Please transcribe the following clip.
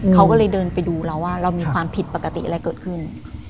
เขาก็เลยเดินไปดูเราว่าเรามีความผิดปกติอะไรเกิดขึ้น